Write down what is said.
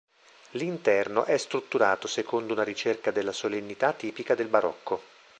L'interno è strutturato secondo una ricerca della solennità tipica del barocco.